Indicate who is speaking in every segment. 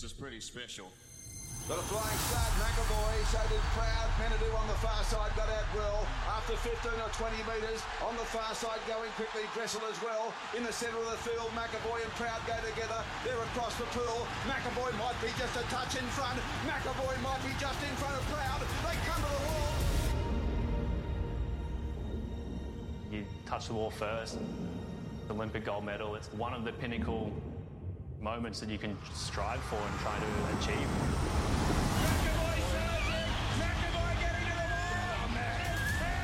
Speaker 1: This is pretty special. Got a flying shot, McEvoy shot it. Proud and Peaty on the far side, got a medal. After 15 or 20 meters, on the far side, going quickly, Dressel as well. In the center of the field, McEvoy and Proud go together. They're across the pool. McEvoy might be just a touch in front. McEvoy might be just in front of Proud. They come to the wall. You touch the wall first. Olympic gold medal, it's one of the pinnacle moments that you can strive for and try to achieve. McEvoy sells it. McEvoy getting to the wall. Come on, man.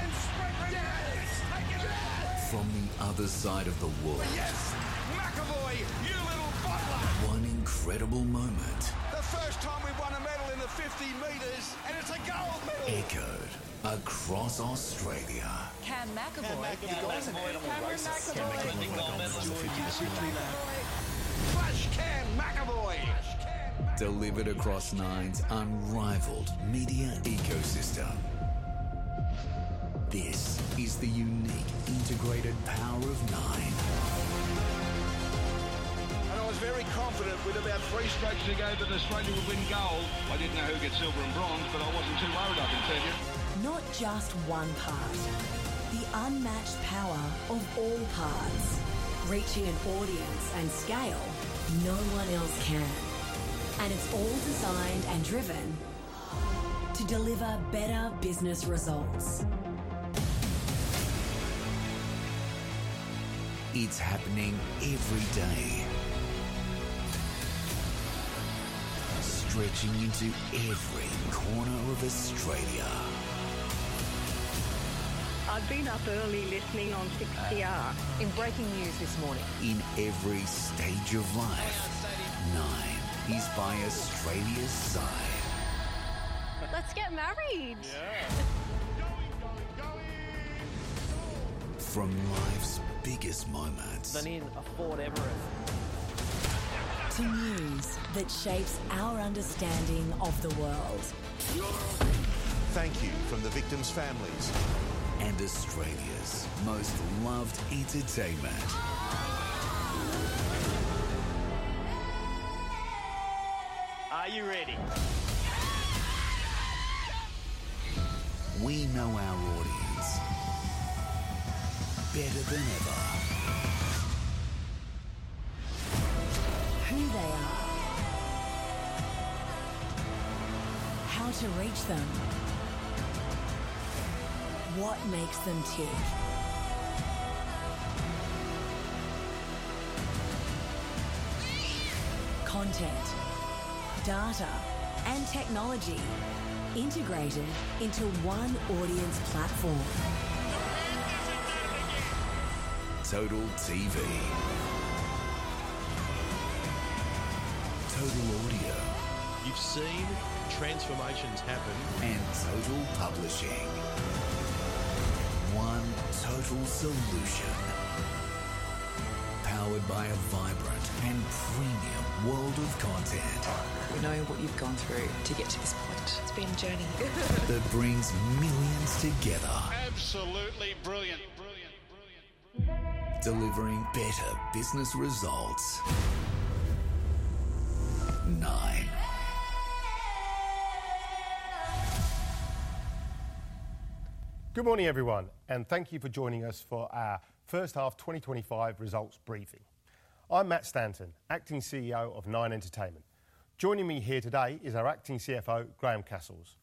Speaker 1: And spring from the edge. Yes! I can do it. Yes! From the other side of the wall. Yes, McEvoy, you little bottler. One incredible moment. The first time we've won a medal in the 50 meters, and it's a gold medal. Echoed across Australia. Cam McEvoy. Cam McEvoy. Cam McEvoy. Cam McEvoy. Cam McEvoy. Cam McEvoy. Flash Cam McEvoy. Flash Cam. Delivered across Nine's unrivaled media ecosystem. This is the unique integrated power of Nine. I was very confident with about three strikes ago that Australia would win gold. I didn't know who'd get silver and bronze, but I wasn't too worried, I can tell you. Not just one part. The unmatched power of all parts. Reaching an audience and scale no one else can. And it's all designed and driven to deliver better business results. It's happening every day. Stretching into every corner of Australia. I've been up early listening on 6PR in breaking news this morning. In every stage of life, Nine is by Australia's side. Let's get married. Yeah. Going, going, going. From life's biggest moments. The Nine for The Everest. To news that shapes our understanding of the world. Thank you from the victims' families and Australia's most loved entertainment. Are you ready? We know our audience better than ever. Who they are. How to reach them. What makes them tick. Content, data, and technology integrated into one audience platform. Total TV. Total audio. You've seen transformations happen. And Total Publishing. One total solution. Powered by a vibrant and premium world of content. We know what you've gone through to get to this point. It's been a journey. That brings millions together. Absolutely brilliant. Delivering better business results. Nine.
Speaker 2: Good morning, everyone, and thank you for joining us for our First Half 2025 results briefing. I'm Matt Stanton, Acting CEO of Nine Entertainment. Joining me here today is our Acting CFO, Graeme Cassells.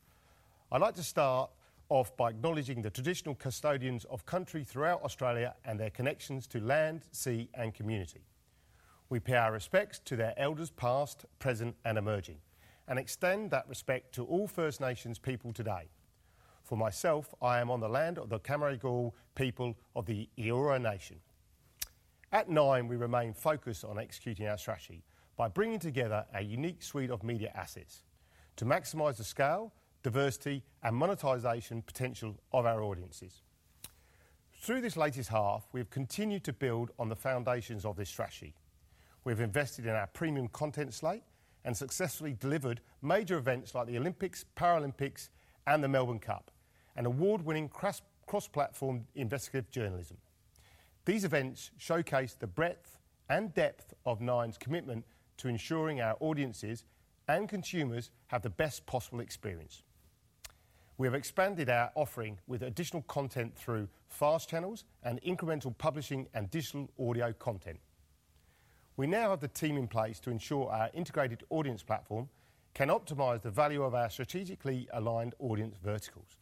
Speaker 2: I'd like to start off by acknowledging the traditional custodians of country throughout Australia and their connections to land, sea, and community. We pay our respects to their elders past, present, and emerging, and extend that respect to all First Nations people today. For myself, I am on the land of the Cammeraygal people of the Eora Nation. At Nine, we remain focused on executing our strategy by bringing together a unique suite of media assets to maximize the scale, diversity, and monetization potential of our audiences. Through this latest half, we have continued to build on the foundations of this strategy. We have invested in our premium content slate and successfully delivered major events like the Olympics, Paralympics, and the Melbourne Cup, and award-winning cross-platform investigative journalism. These events showcase the breadth and depth of Nine's commitment to ensuring our audiences and consumers have the best possible experience. We have expanded our offering with additional content through FAST channels and incremental publishing and digital audio content. We now have the team in place to ensure our integrated audience platform can optimize the value of our strategically aligned audience verticals.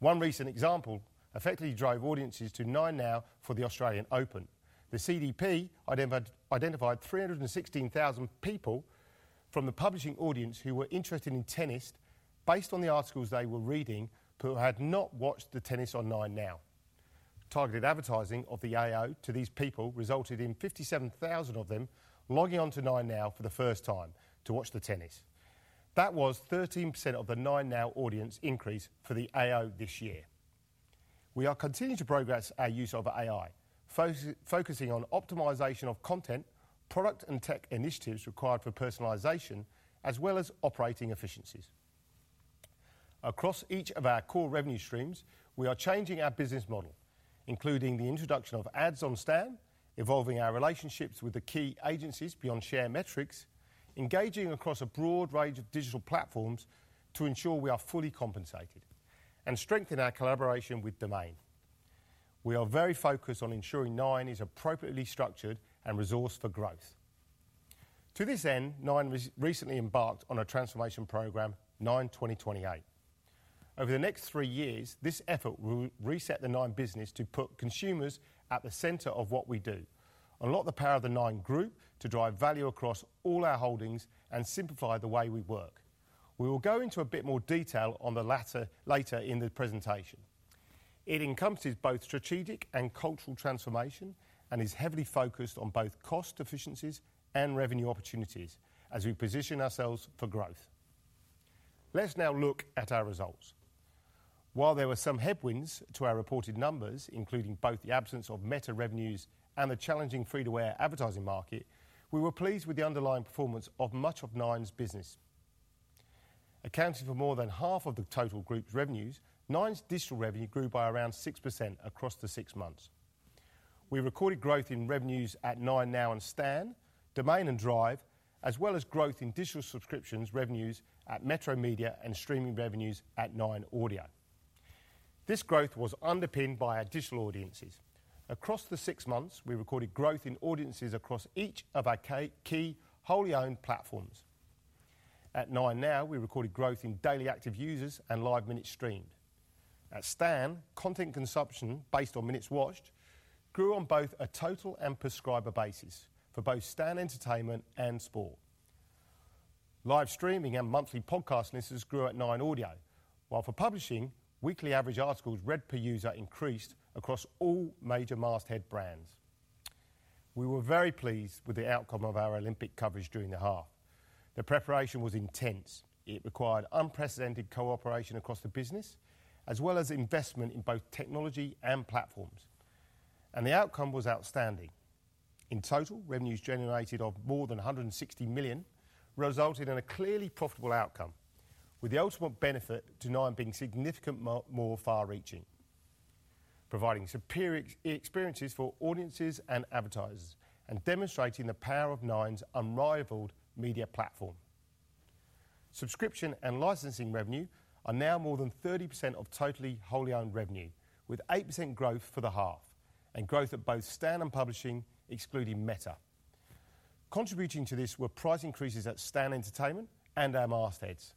Speaker 2: One recent example effectively drove audiences to 9Now for the Australian Open. The CDP identified 316,000 people from the publishing audience who were interested in tennis based on the articles they were reading but had not watched the tennis on 9Now. Targeted advertising of the AO to these people resulted in 57,000 of them logging on to 9Now for the first time to watch the tennis. That was 13% of the 9Now audience increase for the AO this year. We are continuing to progress our use of AI, focusing on optimization of content, product, and tech initiatives required for personalization, as well as operating efficiencies. Across each of our core revenue streams, we are changing our business model, including the introduction of ads on Stan, evolving our relationships with the key agencies beyond shared metrics, engaging across a broad range of digital platforms to ensure we are fully compensated, and strengthening our collaboration with Domain. We are very focused on ensuring Nine is appropriately structured and resourced for growth. To this end, Nine recently embarked on a transformation program, Nine2028. Over the next three years, this effort will reset the Nine business to put consumers at the center of what we do, unlock the power of the Nine Group to drive value across all our holdings and simplify the way we work. We will go into a bit more detail on the latter later in the presentation. It encompasses both strategic and cultural transformation and is heavily focused on both cost efficiencies and revenue opportunities as we position ourselves for growth. Let's now look at our results. While there were some headwinds to our reported numbers, including both the absence of Meta revenues and the challenging free-to-air advertising market, we were pleased with the underlying performance of much of Nine's business. Accounting for more than half of the total group's revenues, Nine's digital revenue grew by around 6% across the six months. We recorded growth in revenues at 9Now and Stan, Domain and Drive, as well as growth in digital subscriptions revenues at Metro Media and streaming revenues at Nine Audio. This growth was underpinned by our digital audiences. Across the six months, we recorded growth in audiences across each of our key wholly-owned platforms. At 9Now, we recorded growth in daily active users and live minutes streamed. At Stan, content consumption based on minutes watched grew on both a total and subscriber basis for both Stan Entertainment and sport. Live streaming and monthly podcast listens grew at Nine Audio, while for publishing, weekly average articles read per user increased across all major masthead brands. We were very pleased with the outcome of our Olympic coverage during the half. The preparation was intense. It required unprecedented cooperation across the business, as well as investment in both technology and platforms. The outcome was outstanding. In total, revenues generated of more than 160 million resulted in a clearly profitable outcome, with the ultimate benefit to Nine being significantly more far-reaching, providing superior experiences for audiences and advertisers, and demonstrating the power of Nine's unrivaled media platform. Subscription and licensing revenue are now more than 30% of total wholly-owned revenue, with 8% growth for the half, and growth at both Stan and publishing, excluding Meta. Contributing to this were price increases at Stan Entertainment and our mastheads,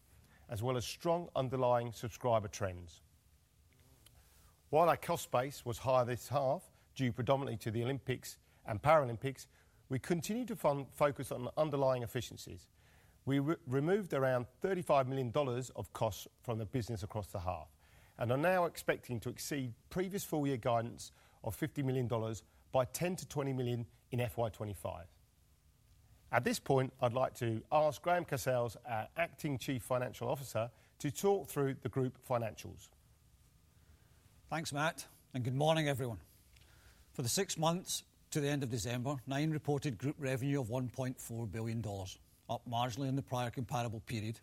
Speaker 2: as well as strong underlying subscriber trends. While our cost base was higher this half due predominantly to the Olympics and Paralympics, we continued to focus on underlying efficiencies. We removed around 35 million dollars of costs from the business across the half and are now expecting to exceed previous full-year guidance of 50 million dollars by 10 million to 20 million in FY25.At this point, I'd like to ask Graeme Cassells, our acting Chief Financial Officer, to talk through the group financials.
Speaker 3: Thanks, Matt. Good morning, everyone. For the six months to the end of December, Nine reported group revenue of 1.4 billion dollars, up marginally in the prior comparable period,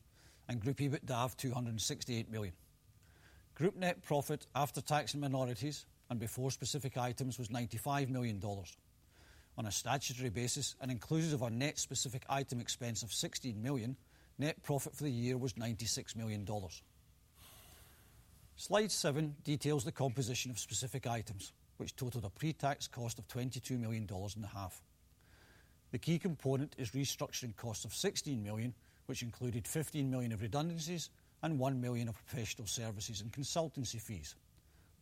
Speaker 3: and group EBITDA of 268 million. Group net profit after tax and minorities and before specific items was 95 million dollars. On a statutory basis, and inclusive of our net specific item expense of 16 million, net profit for the year was 96 million dollars. Slide seven details the composition of specific items, which totaled a pre-tax cost of 22.5 million dollars. The key component is restructuring costs of 16 million, which included 15 million of redundancies and 1 million of professional services and consultancy fees,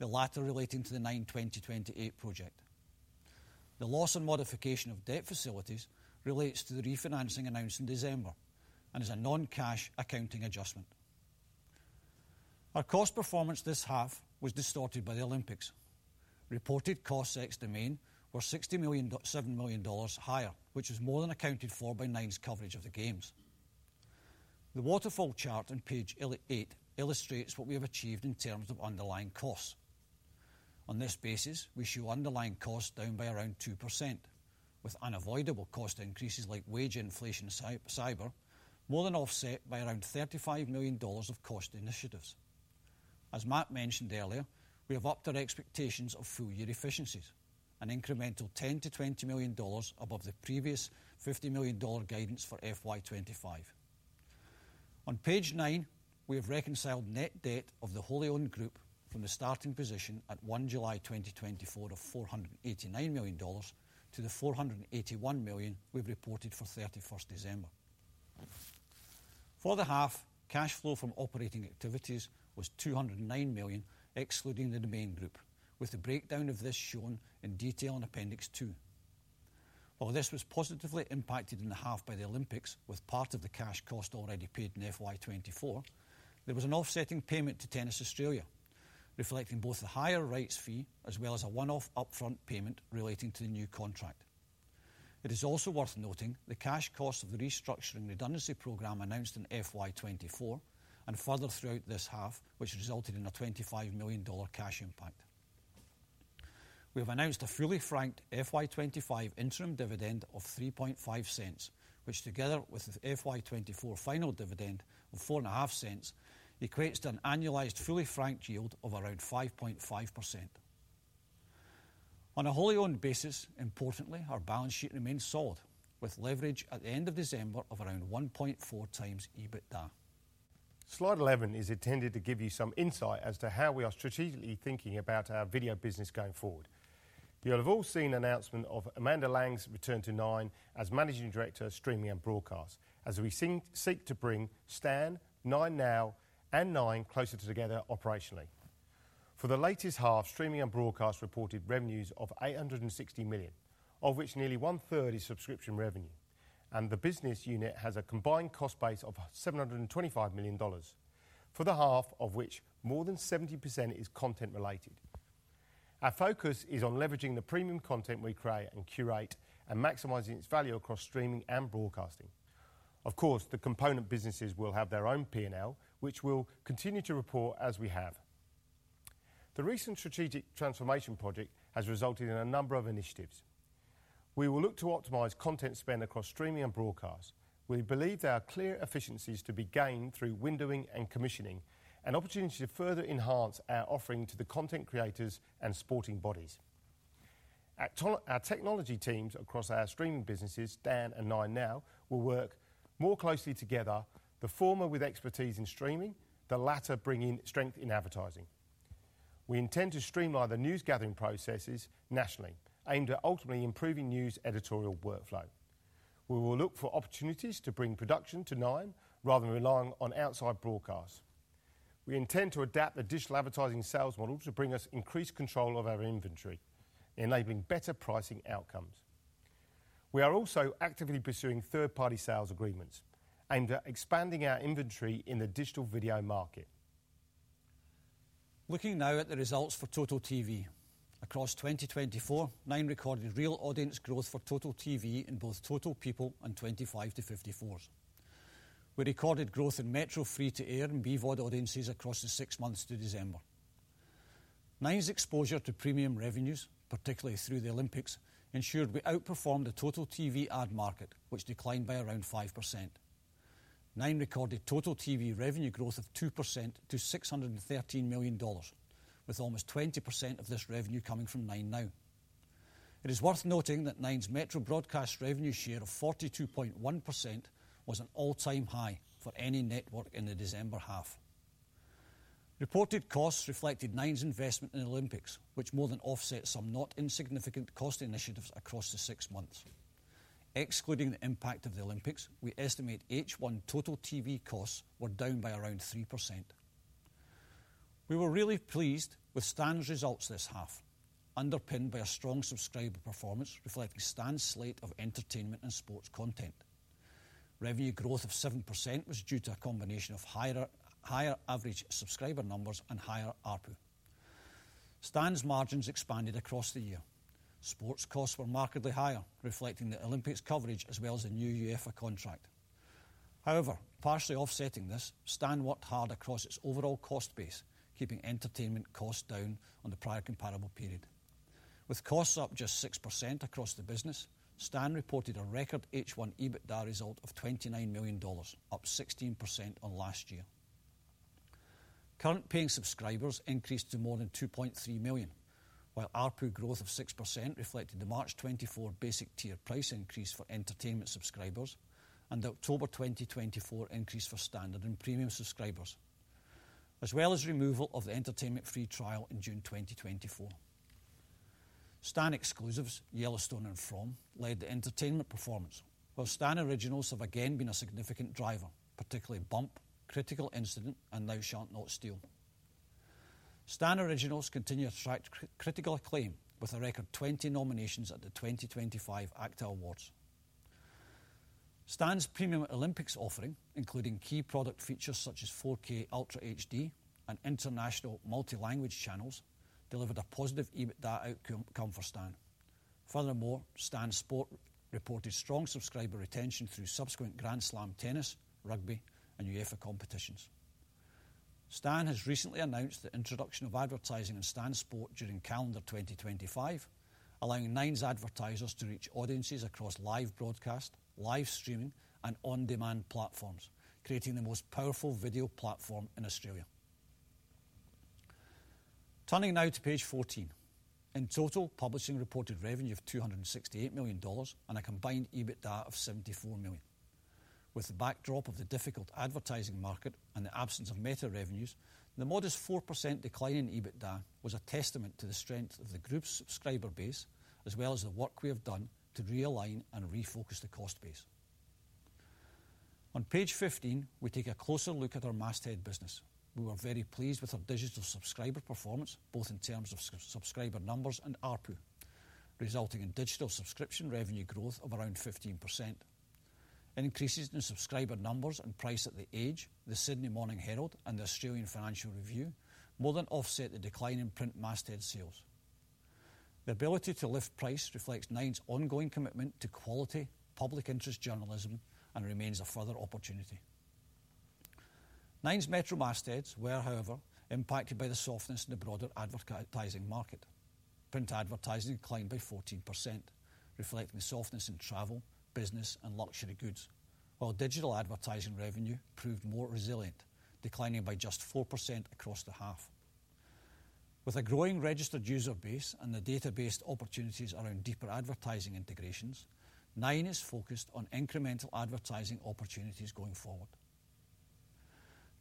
Speaker 3: the latter relating to the Nine2028 project. The loss and modification of debt facilities relates to the refinancing announced in December and is a non-cash accounting adjustment. Our cost performance this half was distorted by the Olympics. Reported costs ex-Domain were 67 million higher, which was more than accounted for by Nine's coverage of the games. The waterfall chart on page eight illustrates what we have achieved in terms of underlying costs. On this basis, we show underlying costs down by around 2%, with unavoidable cost increases like wage inflation and cyber more than offset by around 35 million dollars of cost initiatives. As Matt mentioned earlier, we have upped our expectations of full-year efficiencies, an incremental 10 million-20 million dollars above the previous 50 million dollar guidance for FY25. On page nine, we have reconciled net debt of the wholly-owned group from the starting position at 1 July 2024 of 489 million dollars to the 481 million we've reported for 31st December. For the half, cash flow from operating activities was 209 million, excluding the Domain Group, with the breakdown of this shown in detail in Appendix Two. While this was positively impacted in the half by the Olympics, with part of the cash cost already paid in FY24, there was an offsetting payment to Tennis Australia, reflecting both a higher rights fee as well as a one-off upfront payment relating to the new contract. It is also worth noting the cash costs of the restructuring redundancy program announced in FY24 and further throughout this half, which resulted in a 25 million dollar cash impact. We have announced a fully-franked FY25 interim dividend of 0.035, which together with the FY24 final dividend of 0.045 equates to an annualized fully-franked yield of around 5.5%. On a wholly-owned basis, importantly, our balance sheet remains solid, with leverage at the end of December of around 1.4 times EBITDA.
Speaker 2: Slide 11 is intended to give you some insight as to how we are strategically thinking about our video business going forward. You'll have all seen the announcement of Amanda Laing's return to Nine as Managing Director of Streaming and Broadcast, as we seek to bring Stan, 9Now, and Nine closer together operationally. For the latest half, Streaming and Broadcast reported revenues of 860 million, of which nearly one-third is subscription revenue, and the business unit has a combined cost base of 725 million dollars, for the half of which more than 70% is content related. Our focus is on leveraging the premium content we create and curate and maximizing its value across streaming and broadcasting. Of course, the component businesses will have their own P&L, which we'll continue to report as we have. The recent strategic transformation project has resulted in a number of initiatives. We will look to optimize content spend across streaming and broadcast. We believe there are clear efficiencies to be gained through windowing and commissioning, an opportunity to further enhance our offering to the content creators and sporting bodies. Our technology teams across our streaming businesses, Stan and 9Now, will work more closely together, the former with expertise in streaming, the latter bringing strength in advertising. We intend to streamline the news-gathering processes nationally, aimed at ultimately improving news editorial workflow. We will look for opportunities to bring production to Nine rather than relying on outside broadcast. We intend to adapt the digital advertising sales model to bring us increased control of our inventory, enabling better pricing outcomes. We are also actively pursuing third-party sales agreements aimed at expanding our inventory in the digital video market.
Speaker 3: Looking now at the results for Total TV. Across 2024, Nine recorded real audience growth for Total TV in both total people and 25 to 54s. We recorded growth in Metro free-to-air and BVOD audiences across the six months to December. Nine's exposure to premium revenues, particularly through the Olympics, ensured we outperformed the Total TV ad market, which declined by around 5%. Nine recorded Total TV revenue growth of 2% to 613 million dollars, with almost 20% of this revenue coming from 9Now. It is worth noting that Nine's Metro broadcast revenue share of 42.1% was an all-time high for any network in the December half. Reported costs reflected Nine's investment in Olympics, which more than offsets some not insignificant cost initiatives across the six months. Excluding the impact of the Olympics, we estimate underlying Total TV costs were down by around 3%. We were really pleased with Stan's results this half, underpinned by a strong subscriber performance reflecting Stan's slate of entertainment and sports content. Revenue growth of 7% was due to a combination of higher average subscriber numbers and higher ARPU. Stan's margins expanded across the year. Sports costs were markedly higher, reflecting the Olympics coverage as well as a new UEFA contract. However, partially offsetting this, Stan worked hard across its overall cost base, keeping entertainment costs down on the prior comparable period. With costs up just 6% across the business, Stan reported a record H1 EBITDA result of 29 million dollars, up 16% on last year. Current paying subscribers increased to more than 2.3 million, while ARPU growth of 6% reflected the March 2024 basic tier price increase for entertainment subscribers and the October 2024 increase for standard and premium subscribers, as well as removal of the entertainment free trial in June 2024. Stan exclusives, Yellowstone and From, led to entertainment performance, while Stan Originals have again been a significant driver, particularly Bump, Critical Incident, and Thou Shalt Not Steal. Stan Originals continue to attract critical acclaim, with a record 20 nominations at the 2025 AACTA Awards. Stan's premium Olympics offering, including key product features such as 4K Ultra HD and international multi-language channels, delivered a positive EBITDA outcome for Stan. Furthermore, Stan Sport reported strong subscriber retention through subsequent Grand Slam tennis, rugby, and UEFA competitions. Stan has recently announced the introduction of advertising in Stan Sport during calendar 2025, allowing Nine's advertisers to reach audiences across live broadcast, live streaming, and on-demand platforms, creating the most powerful video platform in Australia. Turning now to page 14, in total, publishing reported revenue of 268 million dollars and a combined EBITDA of 74 million. With the backdrop of the difficult advertising market and the absence of Meta revenues, the modest 4% decline in EBITDA was a testament to the strength of the group's subscriber base, as well as the work we have done to realign and refocus the cost base. On page 15, we take a closer look at our masthead business. We were very pleased with our digital subscriber performance, both in terms of subscriber numbers and ARPU, resulting in digital subscription revenue growth of around 15%. Increases in subscriber numbers and price at The Age, The Sydney Morning Herald, and The Australian Financial Review more than offset the decline in print masthead sales. The ability to lift price reflects Nine's ongoing commitment to quality, public interest journalism, and remains a further opportunity. Nine's Metro mastheads were, however, impacted by the softness in the broader advertising market. Print advertising declined by 14%, reflecting the softness in travel, business, and luxury goods, while digital advertising revenue proved more resilient, declining by just 4% across the half. With a growing registered user base and the database opportunities around deeper advertising integrations, Nine is focused on incremental advertising opportunities going forward.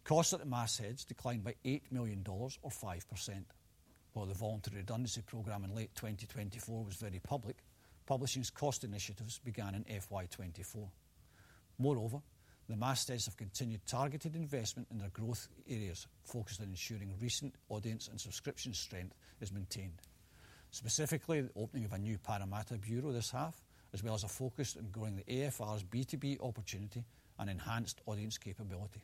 Speaker 3: Costs at mastheads declined by 8 million dollars, or 5%, while the voluntary redundancy program in late 2024 was very public. Publishing's cost initiatives began in FY24. Moreover, the mastheads have continued targeted investment in their growth areas, focused on ensuring recent audience and subscription strength is maintained, specifically the opening of a new Parramatta bureau this half, as well as a focus on growing the AFR's B2B opportunity and enhanced audience capability.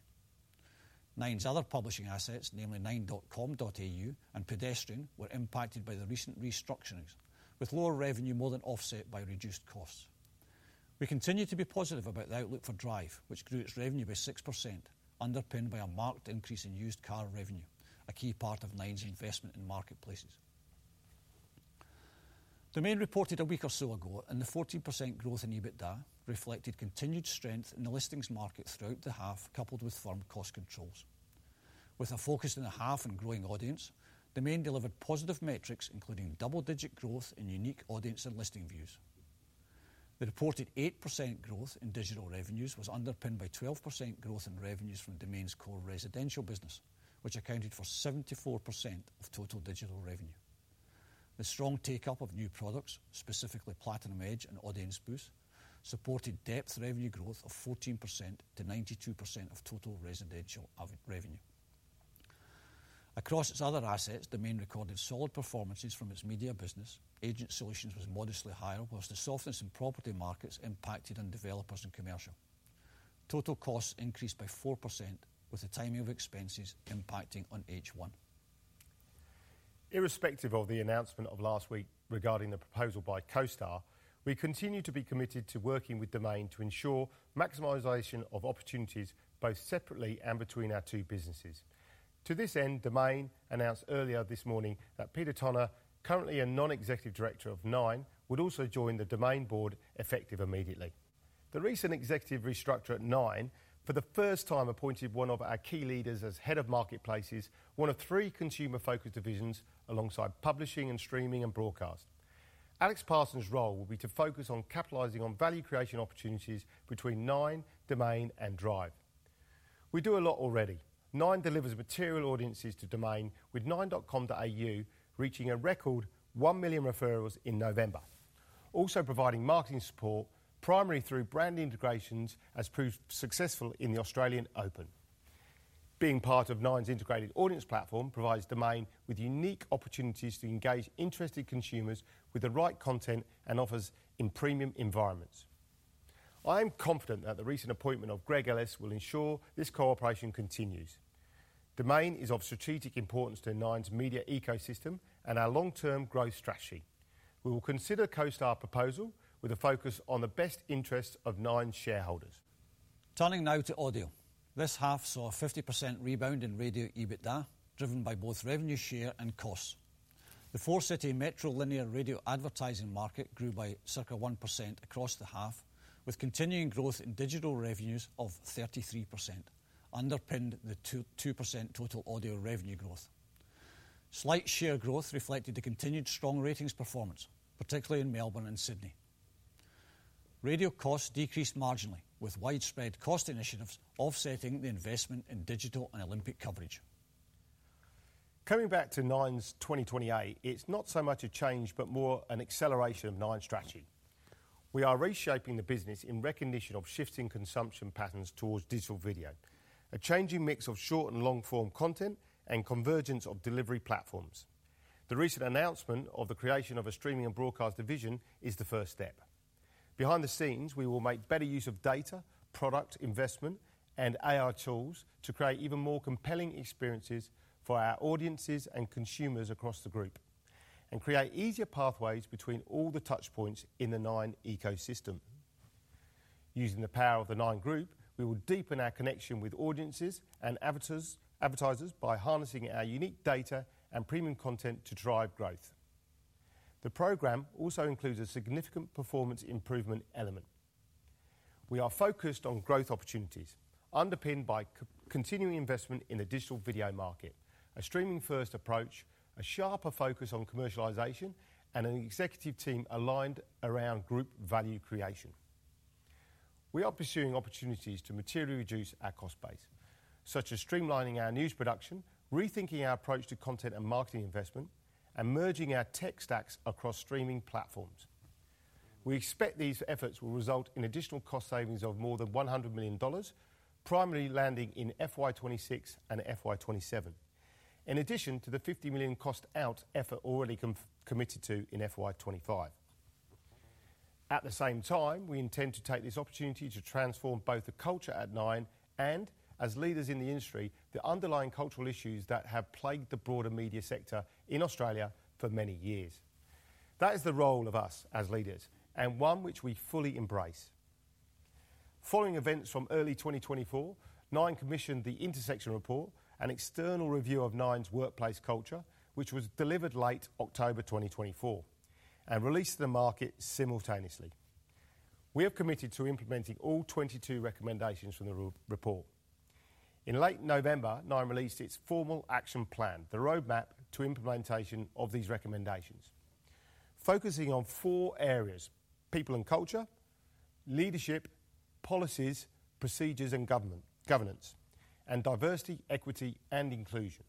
Speaker 3: Nine's other publishing assets, namely nine.com.au and Pedestrian, were impacted by the recent restructurings, with lower revenue more than offset by reduced costs. We continue to be positive about the outlook for Drive, which grew its revenue by 6%, underpinned by a marked increase in used car revenue, a key part of Nine's investment in marketplaces. Domain reported a week or so ago, and the 14% growth in EBITDA reflected continued strength in the listings market throughout the half, coupled with firm cost controls. With a focus in the half and growing audience, Domain delivered positive metrics, including double-digit growth in unique audience and listing views. The reported 8% growth in digital revenues was underpinned by 12% growth in revenues from Domain's core residential business, which accounted for 74% of total digital revenue. The strong take-up of new products, specifically Platinum Edge and Audience Boost, supported depth revenue growth of 14% to 92% of total residential revenue. Across its other assets, Domain recorded solid performances from its media business, Agent Solutions was modestly higher, while the softness in property markets impacted on developers and commercial. Total costs increased by 4%, with the timing of expenses impacting on H1.
Speaker 2: Irrespective of the announcement of last week regarding the proposal by CoStar, we continue to be committed to working with Domain to ensure maximization of opportunities both separately and between our two businesses. To this end, Domain announced earlier this morning that Peter Tonagh, currently a non-executive director of Nine, would also join the Domain board effective immediately. The recent executive restructure at Nine, for the first time, appointed one of our key leaders as head of marketplaces, one of three consumer-focused divisions alongside publishing and streaming and broadcast. Alex Parsons' role will be to focus on capitalizing on value creation opportunities between Nine, Domain, and Drive. We do a lot already. Nine delivers material audiences to Domain, with nine.com.au reaching a record 1 million referrals in November, also providing marketing support primarily through brand integrations as proved successful in the Australian Open. Being part of Nine's integrated audience platform provides Domain with unique opportunities to engage interested consumers with the right content and offers in premium environments. I am confident that the recent appointment of Greg Ellis will ensure this cooperation continues. Domain is of strategic importance to Nine's media ecosystem and our long-term growth strategy. We will consider CoStar's proposal with a focus on the best interests of Nine's shareholders.
Speaker 3: Turning now to audio, this half saw a 50% rebound in radio EBITDA, driven by both revenue share and costs. The four-city Metro linear radio advertising market grew by circa 1% across the half, with continuing growth in digital revenues of 33%, underpinned the 2% total audio revenue growth. Slight share growth reflected the continued strong ratings performance, particularly in Melbourne and Sydney. Radio costs decreased marginally, with widespread cost initiatives offsetting the investment in digital and Olympic coverage.
Speaker 2: Coming back to Nine's 2028, it's not so much a change, but more an acceleration of Nine's strategy. We are reshaping the business in recognition of shifting consumption patterns towards digital video, a changing mix of short and long-form content, and convergence of delivery platforms. The recent announcement of the creation of a streaming and broadcast division is the first step. Behind the scenes, we will make better use of data, product investment, and AR tools to create even more compelling experiences for our audiences and consumers across the group, and create easier pathways between all the touchpoints in the Nine ecosystem. Using the power of the Nine Group, we will deepen our connection with audiences and advertisers by harnessing our unique data and premium content to drive growth. The program also includes a significant performance improvement element. We are focused on growth opportunities, underpinned by continuing investment in the digital video market, a streaming-first approach, a sharper focus on commercialization, and an executive team aligned around group value creation. We are pursuing opportunities to materially reduce our cost base, such as streamlining our news production, rethinking our approach to content and marketing investment, and merging our tech stacks across streaming platforms. We expect these efforts will result in additional cost savings of more than 100 million dollars, primarily landing in FY26 and FY27, in addition to the 50 million cost-out effort already committed to in FY25. At the same time, we intend to take this opportunity to transform both the culture at Nine and, as leaders in the industry, the underlying cultural issues that have plagued the broader media sector in Australia for many years. That is the role of us as leaders, and one which we fully embrace. Following events from early 2024, Nine commissioned The Intersection report, an external review of Nine's workplace culture, which was delivered late October 2024, and released to the market simultaneously. We have committed to implementing all 22 recommendations from the report. In late November, Nine released its formal action plan, the roadmap to implementation of these recommendations, focusing on four areas: people and culture, leadership, policies, procedures, and governance, and diversity, equity, and inclusion.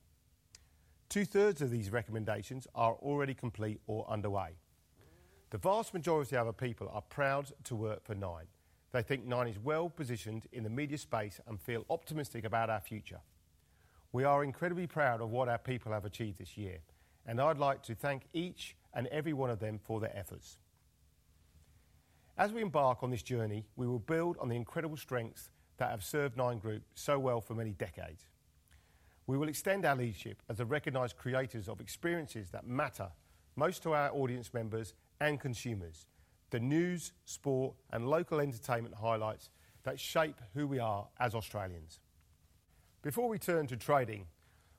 Speaker 2: Two-thirds of these recommendations are already complete or underway. The vast majority of our people are proud to work for Nine. They think Nine is well-positioned in the media space and feel optimistic about our future. We are incredibly proud of what our people have achieved this year, and I'd like to thank each and every one of them for their efforts. As we embark on this journey, we will build on the incredible strengths that have served Nine Group so well for many decades. We will extend our leadership as the recognized creators of experiences that matter most to our audience members and consumers, the news, sport, and local entertainment highlights that shape who we are as Australians. Before we turn to trading,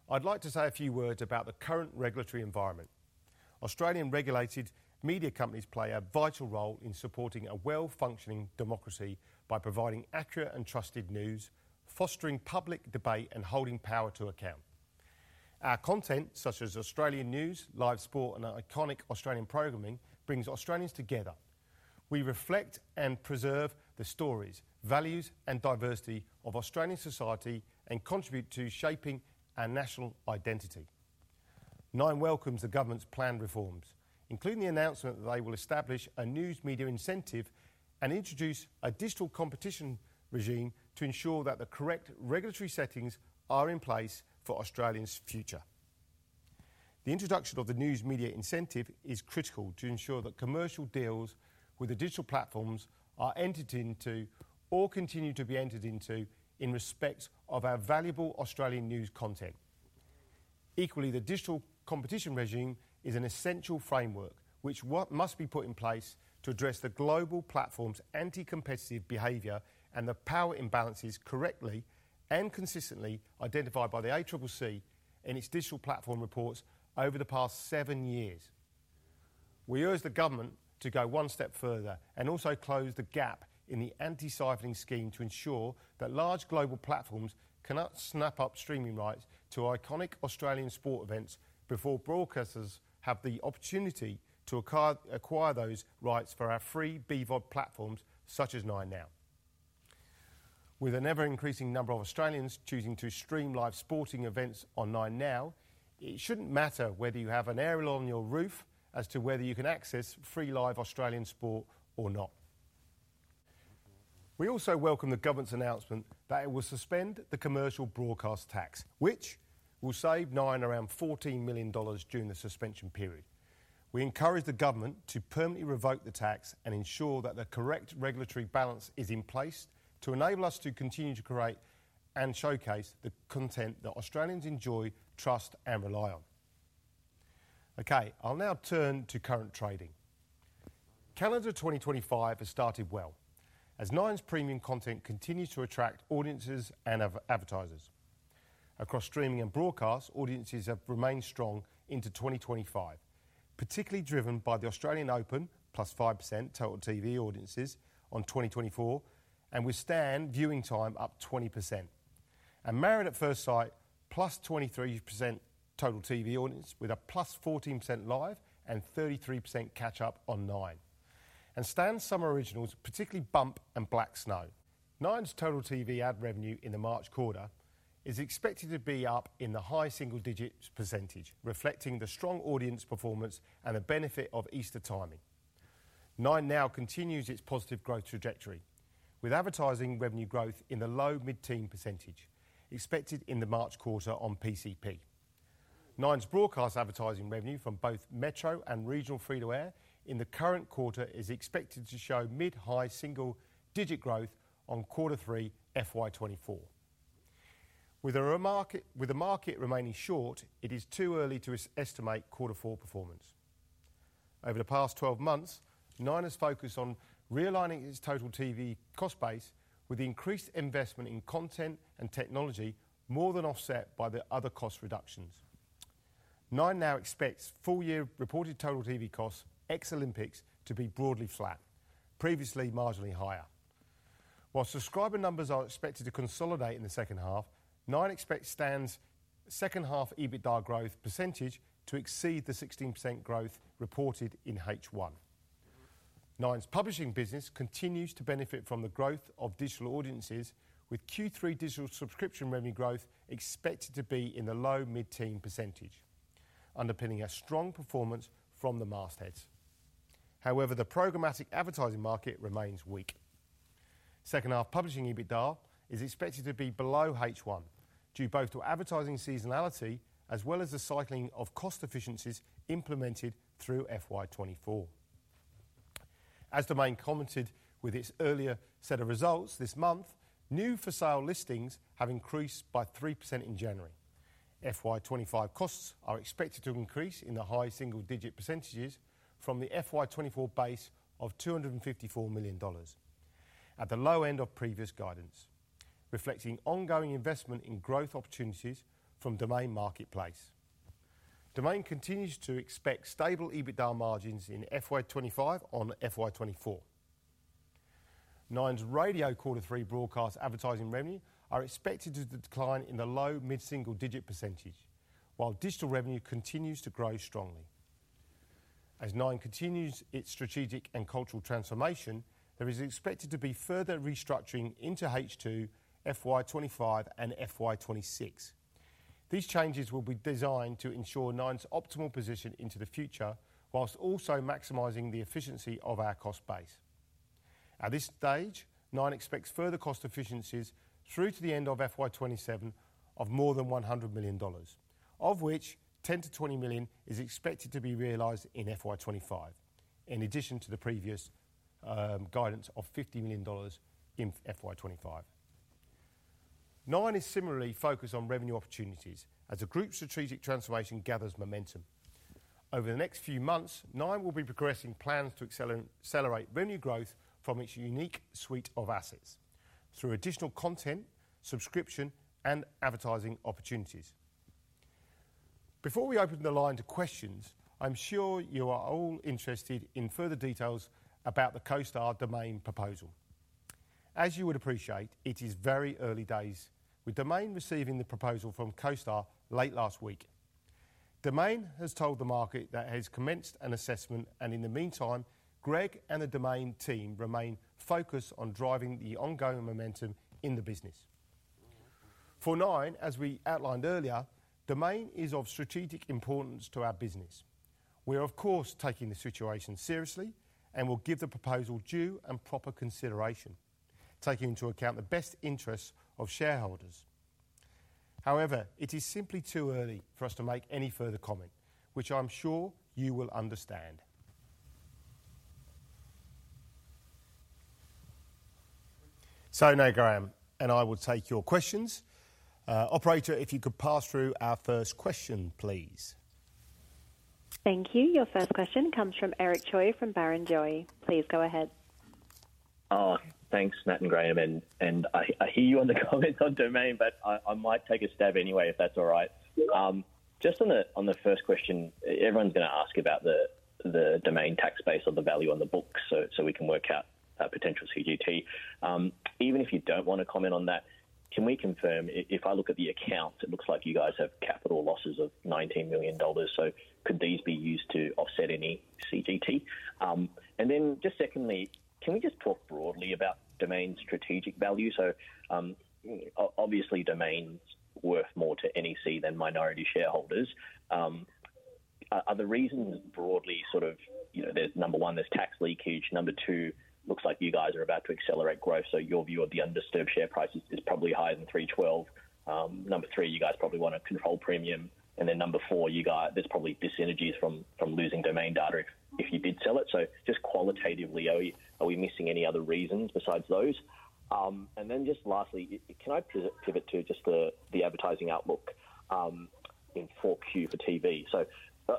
Speaker 2: I'd like to say a few words about the current regulatory environment. Australian-regulated media companies play a vital role in supporting a well-functioning democracy by providing accurate and trusted news, fostering public debate, and holding power to account. Our content, such as Australian news, live sport, and iconic Australian programming, brings Australians together. We reflect and preserve the stories, values, and diversity of Australian society and contribute to shaping our national identity. Nine welcomes the government's planned reforms, including the announcement that they will establish a news media incentive and introduce a digital competition regime to ensure that the correct regulatory settings are in place for Australians' future. The introduction of the news media incentive is critical to ensure that commercial deals with the digital platforms are entered into or continue to be entered into in respect of our valuable Australian news content. Equally, the digital competition regime is an essential framework, which must be put in place to address the global platform's anti-competitive behavior and the power imbalances correctly and consistently identified by the ACCC in its digital platform reports over the past seven years. We urge the government to go one step further and also close the gap in the anti-siphoning scheme to ensure that large global platforms cannot snap up streaming rights to iconic Australian sport events before broadcasters have the opportunity to acquire those rights for our free BVOD platforms, such as 9Now. With the ever-increasing number of Australians choosing to stream live sporting events on 9Now, it shouldn't matter whether you have an aerial on your roof as to whether you can access free live Australian sport or not. We also welcome the government's announcement that it will suspend the commercial broadcast tax, which will save Nine around 14 million dollars during the suspension period. We encourage the government to permanently revoke the tax and ensure that the correct regulatory balance is in place to enable us to continue to create and showcase the content that Australians enjoy, trust, and rely on. Okay, I'll now turn to current trading. Calendar 2025 has started well, as Nine's premium content continues to attract audiences and advertisers. Across streaming and broadcast, audiences have remained strong into 2025, particularly driven by the Australian Open, plus 5% Total TV audiences on 2024, and with Stan viewing time up 20%, and Married at First Sight, plus 23% Total TV audience, with a plus 14% live and 33% catch-up on Nine. And Stan's summer originals, particularly Bump and Black Snow. Nine's Total TV ad revenue in the March quarter is expected to be up in the high single-digit %, reflecting the strong audience performance and the benefit of Easter timing. 9Now continues its positive growth trajectory, with advertising revenue growth in the low-mid-teen % expected in the March quarter on PCP. Nine's broadcast advertising revenue from both Metro and regional free-to-air in the current quarter is expected to show mid-high single-digit growth on Q3 FY24. With the market remaining short, it is too early to estimate Q4 performance. Over the past 12 months, Nine has focused on realigning its total TV cost base with increased investment in content and technology, more than offset by the other cost reductions. 9Now expects full-year reported total TV costs ex-Olympics to be broadly flat, previously marginally higher. While subscriber numbers are expected to consolidate in the second half, Nine expects Stan's second-half EBITDA growth % to exceed the 16% growth reported in H1. Nine's publishing business continues to benefit from the growth of digital audiences, with Q3 digital subscription revenue growth expected to be in the low mid-teen %, underpinning a strong performance from the mastheads. However, the programmatic advertising market remains weak. Second-half publishing EBITDA is expected to be below H1 due both to advertising seasonality as well as the cycling of cost efficiencies implemented through FY24. As Domain commented with its earlier set of results this month, new for sale listings have increased by 3% in January. FY25 costs are expected to increase in the high single-digit % from the FY24 base of AUD 254 million, at the low end of previous guidance, reflecting ongoing investment in growth opportunities from Domain marketplace. Domain continues to expect stable EBITDA margins in FY25 on FY24. Nine's radio Q3 broadcast advertising revenue is expected to decline in the low- to mid-single-digit %, while digital revenue continues to grow strongly. As Nine continues its strategic and cultural transformation, there is expected to be further restructuring in H2 FY25 and FY26. These changes will be designed to ensure Nine's optimal position into the future, while also maximizing the efficiency of our cost base. At this stage, Nine expects further cost efficiencies through to the end of FY27 of more than 100 million dollars, of which 10-20 million is expected to be realized in FY25, in addition to the previous guidance of 50 million dollars in FY25. Nine is similarly focused on revenue opportunities as the group's strategic transformation gathers momentum. Over the next few months, Nine will be progressing plans to accelerate revenue growth from its unique suite of assets through additional content, subscription, and advertising opportunities. Before we open the line to questions, I'm sure you are all interested in further details about the CoStar Domain proposal. As you would appreciate, it is very early days, with Domain receiving the proposal from CoStar late last week. Domain has told the market that it has commenced an assessment, and in the meantime, Greg and the Domain team remain focused on driving the ongoing momentum in the business. For Nine, as we outlined earlier, Domain is of strategic importance to our business. We are, of course, taking the situation seriously and will give the proposal due and proper consideration, taking into account the best interests of shareholders. However, it is simply too early for us to make any further comment, which I'm sure you will understand. So, Graeme and I will take your questions. Operator, if you could pass through our first question, please. Thank you.
Speaker 4: Your first question comes from Eric Choi from Barrenjoey. Please go ahead.
Speaker 5: Thanks, Matt and Graeme. And I hear you on the comments on Domain, but I might take a stab anyway, if that's all right. Just on the first question, everyone's going to ask about the Domain tax base or the value on the books so we can work out potential CGT. Even if you don't want to comment on that, can we confirm if I look at the accounts, it looks like you guys have capital losses of 19 million dollars. So could these be used to offset any CGT? And then just secondly, can we just talk broadly about Domain's strategic value? So obviously, Domain's worth more to NEC than minority shareholders. Are the reasons broadly sort of number one, there's tax leakage. Number two, looks like you guys are about to accelerate growth, so your view of the undisturbed share prices is probably higher than 312. Number three, you guys probably want a controlled premium. And then number four, there's probably diseconomies from losing Domain data if you did sell it. So just qualitatively, are we missing any other reasons besides those? And then just lastly, can I pivot to just the advertising outlook in 4Q for TV? So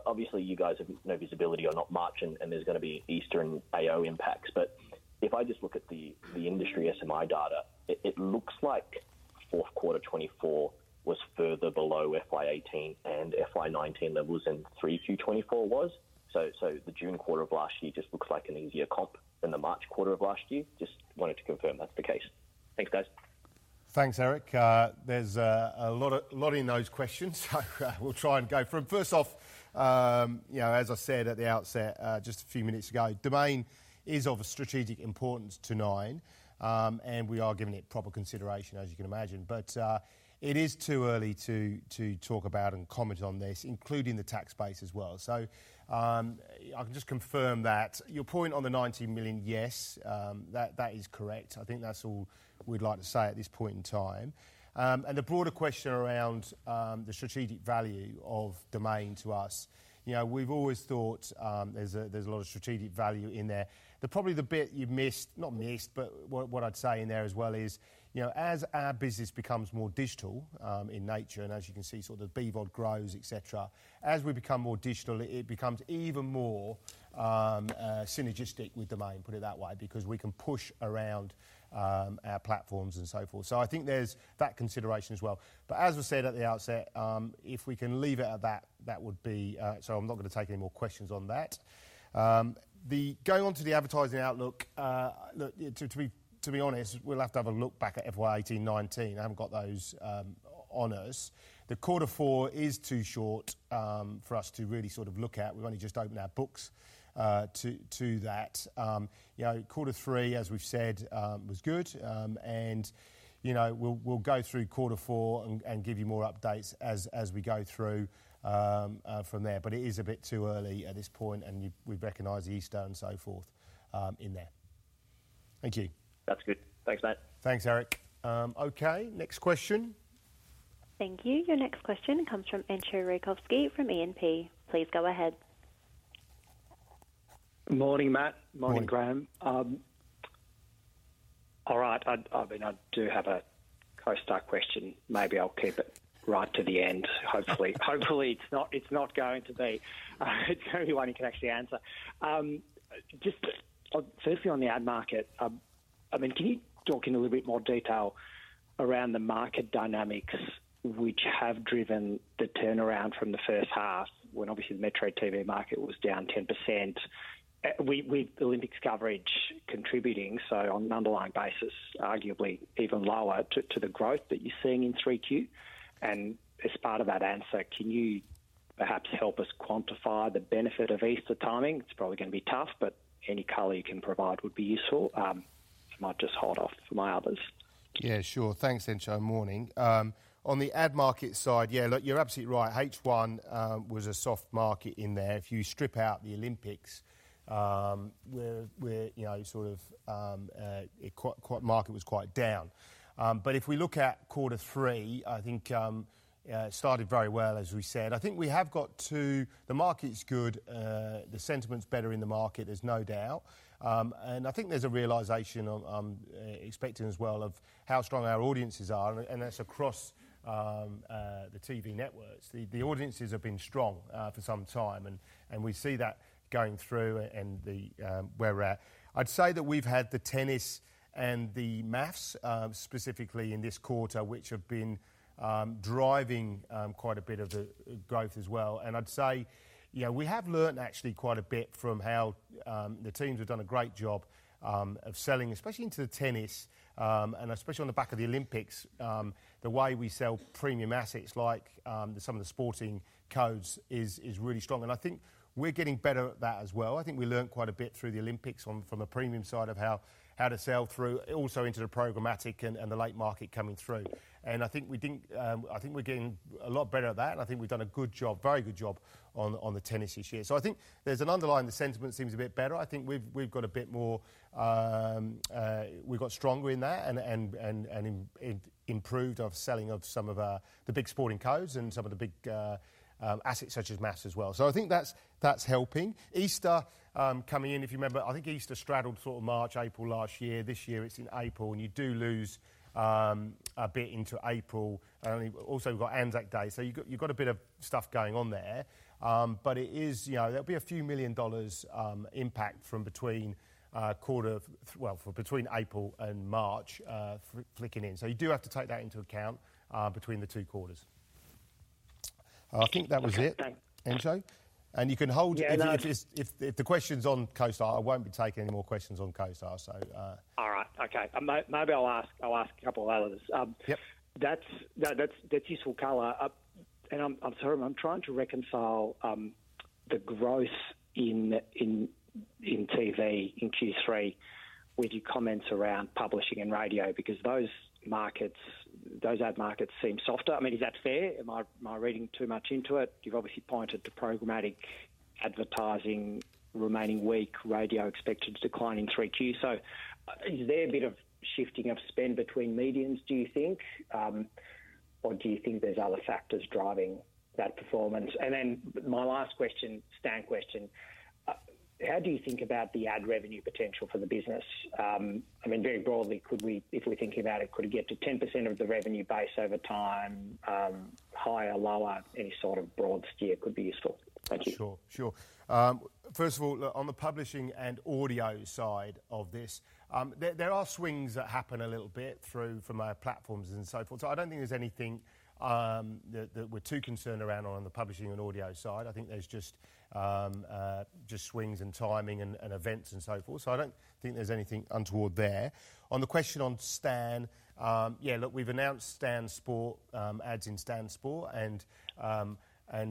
Speaker 5: obviously, you guys have no visibility on what March and there's going to be Easter and AO impacts. But if I just look at the industry SMI data, it looks like Q4 '24 was further below FY18 and FY19 levels than 3Q '24 was. So the June quarter of last year just looks like an easier comp than the March quarter of last year. Just wanted to confirm that's the case. Thanks, guys.
Speaker 2: Thanks, Eric. There's a lot in those questions, so we'll try and go through them. First off, as I said at the outset just a few minutes ago, Domain is of strategic importance to Nine, and we are giving it proper consideration, as you can imagine, but it is too early to talk about and comment on this, including the tax base as well, so I can just confirm that your point on the 19 million, yes, that is correct. I think that's all we'd like to say at this point in time, and the broader question around the strategic value of Domain to us, we've always thought there's a lot of strategic value in there. Probably the bit you've missed, not missed, but what I'd say in there as well is as our business becomes more digital in nature, and as you can see, sort of the BVOD grows, etc. As we become more digital, it becomes even more synergistic with Domain, put it that way, because we can push around our platforms and so forth. So I think there's that consideration as well. But as I said at the outset, if we can leave it at that, that would be so I'm not going to take any more questions on that. Going on to the advertising outlook, to be honest, we'll have to have a look back at FY2018-2019. I haven't got those on us. The Q4 is too short for us to really sort of look at. We've only just opened our books to that. Q3, as we've said, was good. And we'll go through Q4 and give you more updates as we go through from there. But it is a bit too early at this point, and we recognize Easter and so forth in there. Thank you.
Speaker 5: That's good. Thanks, Matt.
Speaker 2: Thanks, Eric. Okay, next question.
Speaker 4: Thank you. Your next question comes from Entcho Raykovski from E&P. Please go ahead.
Speaker 6: Morning, Matt. Morning, Graeme. All right. I do have a CoStar question. Maybe I'll keep it right to the end. Hopefully, it's not going to be one you can actually answer. Just firstly, on the ad market, I mean, can you talk in a little bit more detail around the market dynamics which have driven the turnaround from the first half when obviously the Metro TV market was down 10%, with Olympics coverage contributing, so on an underlying basis, arguably even lower to the growth that you're seeing in 3Q? And as part of that answer, can you perhaps help us quantify the benefit of Easter timing? It's probably going to be tough, but any color you can provide would be useful. I might just hold off for my others.
Speaker 2: Yeah, sure. Thanks, Entcho. Morning. On the ad market side, yeah, look, you're absolutely right. H1 was a soft market in there. If you strip out the Olympics, sort of the market was quite down. But if we look at Q3, I think it started very well, as we said. I think we have got to the market's good. The sentiment's better in the market, there's no doubt. And I think there's a realization I'm expecting as well of how strong our audiences are, and that's across the TV networks. The audiences have been strong for some time, and we see that going through and where we're at. I'd say that we've had the tennis and the ads, specifically in this quarter, which have been driving quite a bit of the growth as well. And I'd say we have learned actually quite a bit from how the teams have done a great job of selling, especially into the tennis, and especially on the back of the Olympics, the way we sell premium assets like some of the sporting codes is really strong. And I think we're getting better at that as well. I think we learned quite a bit through the Olympics from the premium side of how to sell through, also into the programmatic and the late market coming through. And I think we're getting a lot better at that, and I think we've done a good job, very good job on the tennis this year. So, I think there's an underlying sentiment. The sentiment seems a bit better. I think we've got a bit more. We've got stronger in that and improved our selling of some of the big sporting codes and some of the big assets such as MAFS as well. So, I think that's helping. Easter coming in, if you remember. I think Easter straddled sort of March, April last year. This year, it's in April, and you do lose a bit into April. And also we've got Anzac Day. So, you've got a bit of stuff going on there. But there'll be a few million dollars impact from between quarter, well, between April and March flicking in. So, you do have to take that into account between the two quarters. I think that was it, Entcho. You can hold if the question's on CoStar. I won't be taking any more questions on CoStar, so.
Speaker 6: All right. Okay. Maybe I'll ask a couple of others. That's useful color. I'm sorry. I'm trying to reconcile the growth in TV in Q3 with your comments around publishing and radio because those markets, those ad markets seem softer. I mean, is that fair? Am I reading too much into it? You've obviously pointed to programmatic advertising remaining weak, radio expected to decline in 3Q. So is there a bit of shifting of spend between mediums, do you think? Or do you think there's other factors driving that performance? And then my last question, Stan question, how do you think about the ad revenue potential for the business? I mean, very broadly, if we're thinking about it, could it get to 10% of the revenue base over time, higher, lower, any sort of broad steer could be useful? Thank you.
Speaker 2: Sure, sure. First of all, on the publishing and audio side of this, there are swings that happen a little bit through from our platforms and so forth. So I don't think there's anything that we're too concerned around on the publishing and audio side. I think there's just swings and timing and events and so forth. So I don't think there's anything untoward there. On the question on Stan, yeah, look, we've announced Stan Sport, ads in Stan Sport, and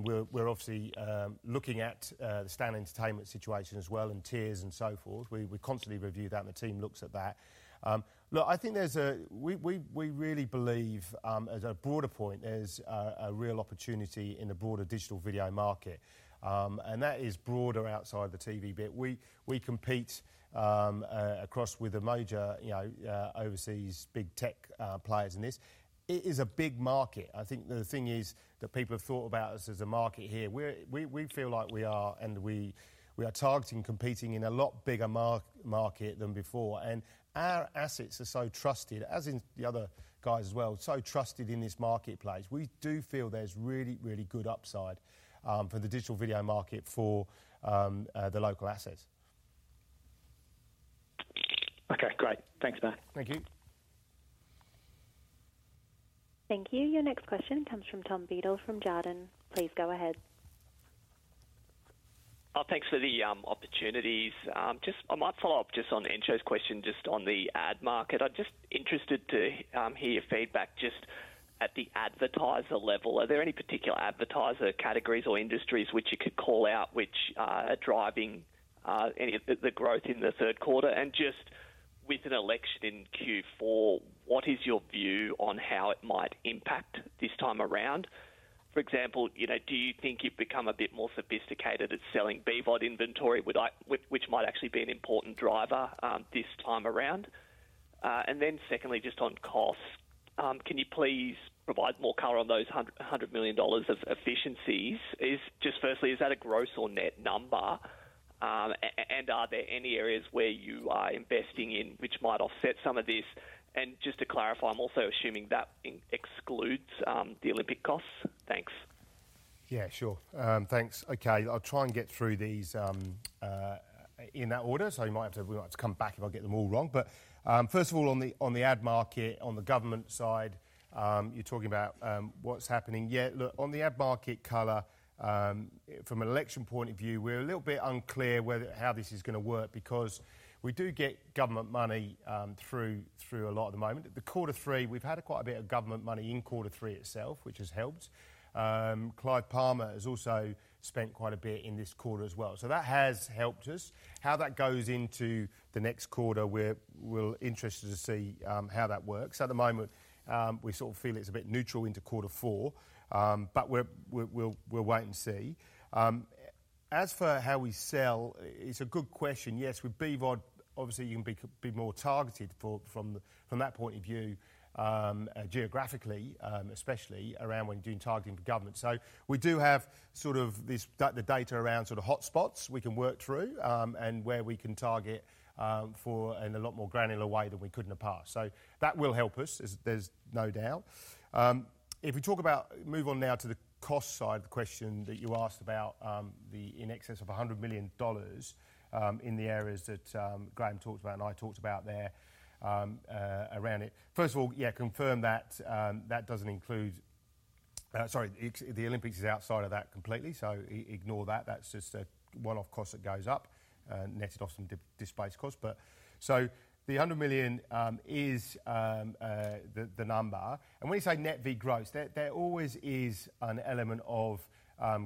Speaker 2: we're obviously looking at the Stan Entertainment situation as well and tiers and so forth. We constantly review that, and the team looks at that. Look, I think we really believe, as a broader point, there's a real opportunity in the broader digital video market. And that is broader outside the TV bit. We compete across with the major overseas big tech players in this. It is a big market. I think the thing is that people have thought about us as a market here. We feel like we are, and we are targeting competing in a lot bigger market than before. And our assets are so trusted, as are the other guys as well, so trusted in this marketplace. We do feel there's really, really good upside for the digital video market for the local assets.
Speaker 6: Okay, great. Thanks, Matt.
Speaker 2: Thank you.
Speaker 4: Thank you. Your next question comes from Tom Beadle from Jarden. Please go ahead.
Speaker 7: Thanks for the opportunities. I might follow up just on Entcho's question just on the ad market. I'm just interested to hear your feedback just at the advertiser level. Are there any particular advertiser categories or industries which you could call out which are driving the growth in the third quarter? And just with an election in Q4, what is your view on how it might impact this time around? For example, do you think you've become a bit more sophisticated at selling BVOD inventory, which might actually be an important driver this time around? And then secondly, just on costs, can you please provide more color on those 100 million dollars of efficiencies? Just firstly, is that a gross or net number? And are there any areas where you are investing in which might offset some of this? And just to clarify, I'm also assuming that excludes the Olympic costs. Thanks.
Speaker 2: Yeah, sure. Thanks. Okay, I'll try and get through these in that order. So you might have to come back if I get them all wrong. But first of all, on the ad market, on the government side, you're talking about what's happening. Yeah, look, on the ad market color, from an election point of view, we're a little bit unclear how this is going to work because we do get government money through a lot at the moment. The Q3, we've had quite a bit of government money in Q3 itself, which has helped. Clive Palmer has also spent quite a bit in this quarter as well. So that has helped us. How that goes into the next quarter, we're interested to see how that works. At the moment, we sort of feel it's a bit neutral into Q4, but we'll wait and see. As for how we sell, it's a good question. Yes, with BVOD, obviously, you can be more targeted from that point of view, geographically especially, around when you're doing targeting for government. So we do have sort of the data around sort of hotspots we can work through and where we can target in a lot more granular way than we could in the past. So that will help us, there's no doubt. If we talk about, move on now to the cost side of the question that you asked about, the in excess of 100 million dollars in the areas that Graeme talked about and I talked about there around it. First of all, yeah, confirm that that doesn't include, sorry, the Olympics is outside of that completely. So ignore that. That's just a one-off cost that goes up, netted off some displaced costs. The AUD 100 million is the number. And when you say net vs. gross, there always is an element of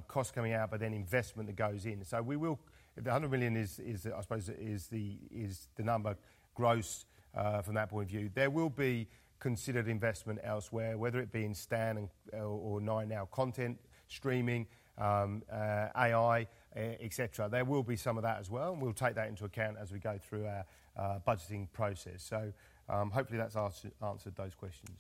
Speaker 2: cost coming out, but then investment that goes in. So the 100 million is, I suppose, the number gross from that point of view. There will be considered investment elsewhere, whether it be in Stan or Nine's content, streaming, AI, etc. There will be some of that as well. And we'll take that into account as we go through our budgeting process. So hopefully, that's answered those questions.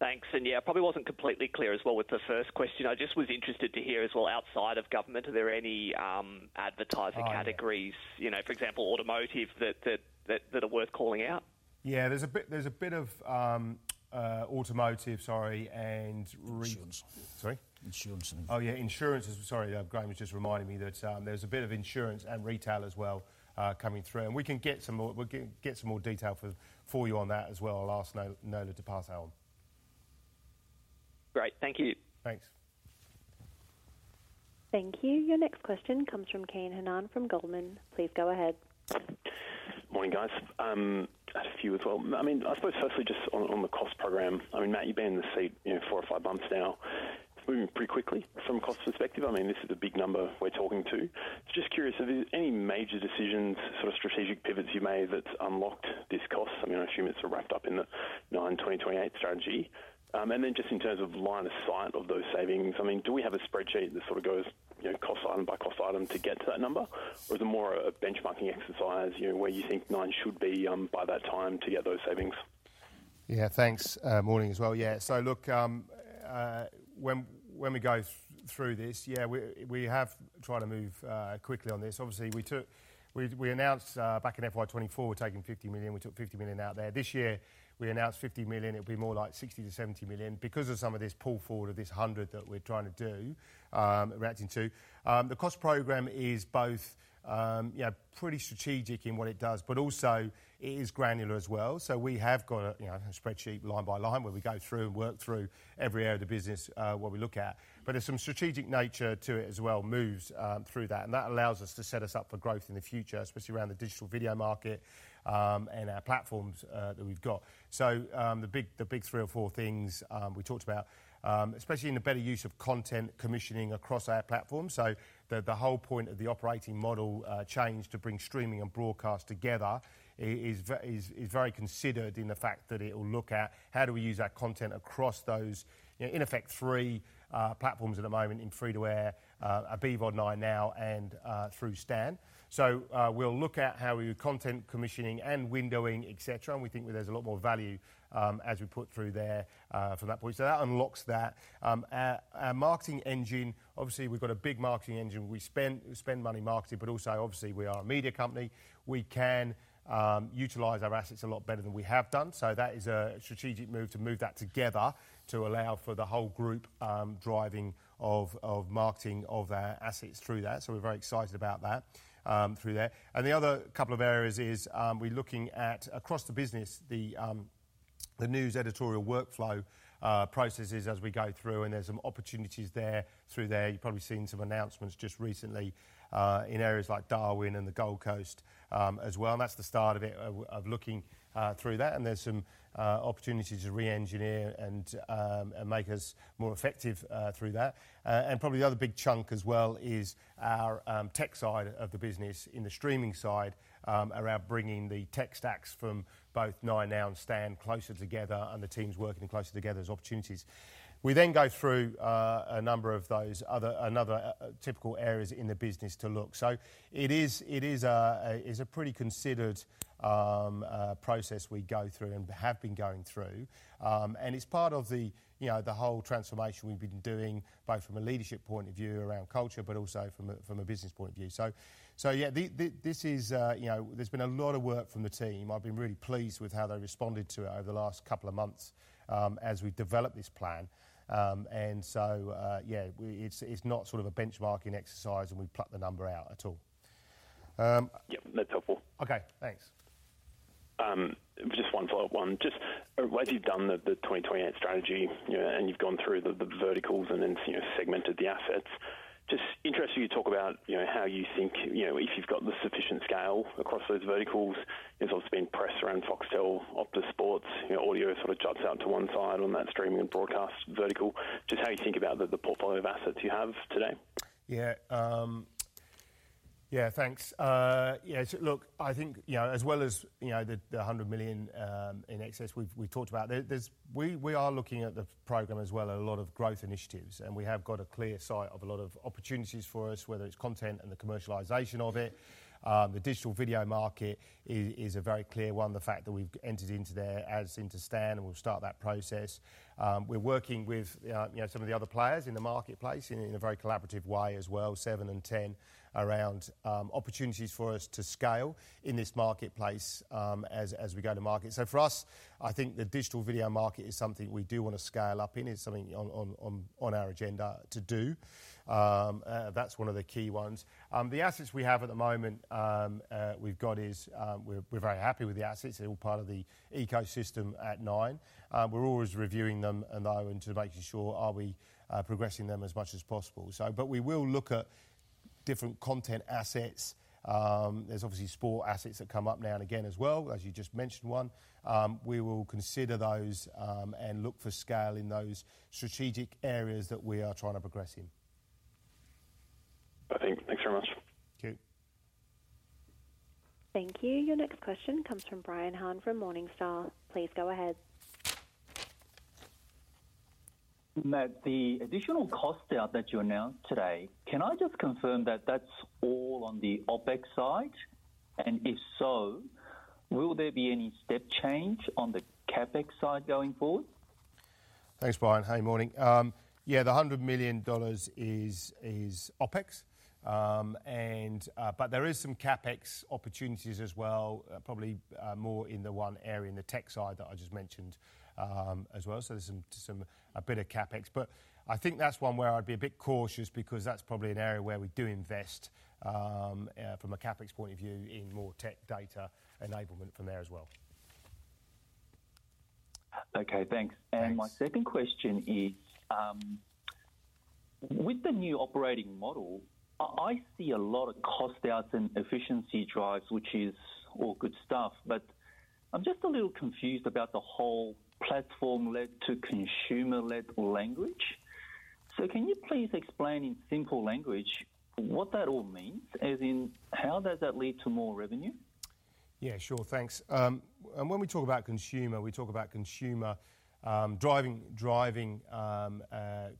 Speaker 7: Thanks. And yeah, I probably wasn't completely clear as well with the first question. I just was interested to hear as well, outside of government, are there any advertiser categories, for example, automotive that are worth calling out?
Speaker 2: Yeah, there's a bit of automotive, sorry, and insurance. Sorry? Insurance and. Oh yeah, insurance. Sorry, Graeme was just reminding me that there's a bit of insurance and retail as well coming through. We can get some more detail for you on that as well. I'll ask Nola to pass that on.
Speaker 7: Great. Thank you.
Speaker 2: Thanks.
Speaker 4: Thank you. Your next question comes from Kane Hannan from Goldman. Please go ahead.
Speaker 8: Morning, guys. I had a few as well. I mean, I suppose firstly, just on the cost program, I mean, Matt, you've been in the seat four or five months now. It's moving pretty quickly from a cost perspective. I mean, this is a big number we're talking to. Just curious, are there any major decisions, sort of strategic pivots you made that unlocked this cost? I mean, I assume it's wrapped up in the Nine2028 strategy. And then just in terms of line of sight of those savings, I mean, do we have a spreadsheet that sort of goes cost item by cost item to get to that number? Or is it more a benchmarking exercise where you think Nine should be by that time to get those savings?
Speaker 2: Yeah, thanks. Morning as well. Yeah. So look, when we go through this, yeah, we have tried to move quickly on this. Obviously, we announced back in FY24, we're taking 50 million. We took 50 million out there. This year, we announced 50 million. It'll be more like 60 million-70 million because of some of this pull forward of this hundred that we're trying to do, reacting to. The cost program is both pretty strategic in what it does, but also it is granular as well. We have got a spreadsheet line by line where we go through and work through every area of the business what we look at. But there's some strategic nature to it as well, moves through that. And that allows us to set us up for growth in the future, especially around the digital video market and our platforms that we've got. So the big three or four things we talked about, especially in the better use of content commissioning across our platform. So the whole point of the operating model change to bring streaming and broadcast together is very considered in the fact that it will look at how do we use our content across those, in effect, three platforms at the moment in free-to-air, BVOD 9Now, and through Stan. So we'll look at how we do content commissioning and windowing, etc. And we think there's a lot more value as we put through there from that point. So that unlocks that. Our marketing engine, obviously, we've got a big marketing engine. We spend money marketing, but also, obviously, we are a media company. We can utilize our assets a lot better than we have done. So that is a strategic move to move that together to allow for the whole group driving of marketing of our assets through that. So we're very excited about that through there. And the other couple of areas is we're looking at across the business, the news editorial workflow processes as we go through. And there's some opportunities there through there. You've probably seen some announcements just recently in areas like Darwin and the Gold Coast as well. And that's the start of it of looking through that. There's some opportunities to re-engineer and make us more effective through that. Probably the other big chunk as well is our tech side of the business in the streaming side around bringing the tech stacks from both 9Now and Stan closer together and the teams working closer together as opportunities. We then go through a number of those other typical areas in the business to look. It is a pretty considered process we go through and have been going through. It's part of the whole transformation we've been doing, both from a leadership point of view around culture, but also from a business point of view. Yeah, this is, there's been a lot of work from the team. I've been really pleased with how they responded to it over the last couple of months as we developed this plan. And so yeah, it's not sort of a benchmarking exercise and we pluck the number out at all.
Speaker 8: Yep, that's helpful. Okay, thanks. Just one follow-up one. Just as you've done the 2028 strategy and you've gone through the verticals and then segmented the assets, just interested to hear you talk about how you think if you've got the sufficient scale across those verticals. There's obviously been press around Foxtel, Optus Sport, audio sort of juts out to one side on that streaming and broadcast vertical. Just how you think about the portfolio of assets you have today.
Speaker 2: Yeah. Yeah, thanks. Yeah, look, I think as well as the 100 million in excess we've talked about, we are looking at the program as well and a lot of growth initiatives. We have got a clear sight of a lot of opportunities for us, whether it's content and the commercialization of it. The digital video market is a very clear one, the fact that we've entered into there as into Stan and we'll start that process. We're working with some of the other players in the marketplace in a very collaborative way as well, Seven and Ten, around opportunities for us to scale in this marketplace as we go to market. For us, I think the digital video market is something we do want to scale up in. It's something on our agenda to do. That's one of the key ones. The assets we have at the moment we've got is we're very happy with the assets. They're all part of the ecosystem at Nine. We're always reviewing them and making sure are we progressing them as much as possible. But we will look at different content assets. There's obviously sport assets that come up now and again as well, as you just mentioned one. We will consider those and look for scale in those strategic areas that we are trying to progress in.
Speaker 8: Thanks very much.
Speaker 2: Thank you.
Speaker 4: Thank you. Your next question comes from Brian Han from Morningstar. Please go ahead.
Speaker 9: Matt, the additional costs that you announced today, can I just confirm that that's all on the OpEx side? And if so, will there be any step change on the CapEx side going forward?
Speaker 2: Thanks, Brian. Hey, morning. Yeah, the 100 million dollars is OpEx. But there is some CapEx opportunities as well, probably more in the one area in the tech side that I just mentioned as well. So there's a bit of CapEx. But I think that's one where I'd be a bit cautious because that's probably an area where we do invest from a CapEx point of view in more tech data enablement from there as well.
Speaker 9: Okay, thanks. And my second question is, with the new operating model, I see a lot of cost out and efficiency drives, which is all good stuff. But I'm just a little confused about the whole platform-led to consumer-led language. So can you please explain in simple language what that all means, as in how does that lead to more revenue?
Speaker 2: Yeah, sure. Thanks. And when we talk about consumer, we talk about consumer driving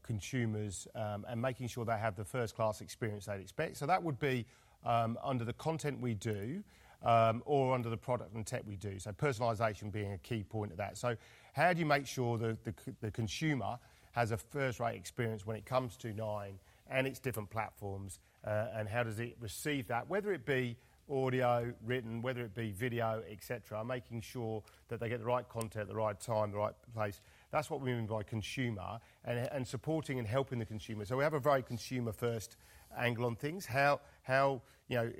Speaker 2: consumers and making sure they have the first-class experience they'd expect. So that would be under the content we do or under the product and tech we do. So, personalization being a key point of that. So, how do you make sure the consumer has a first-rate experience when it comes to Nine and its different platforms? And how does it receive that, whether it be audio, written, whether it be video, etc., making sure that they get the right content, the right time, the right place? That's what we mean by consumer and supporting and helping the consumer. So, we have a very consumer-first angle on things.